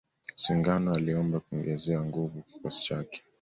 Singano aliomba kungezewa nguvu kikosi chake